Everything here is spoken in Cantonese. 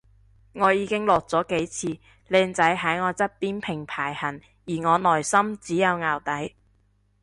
我已經落咗幾次，靚仔喺我側邊平排行而我內心只有淆底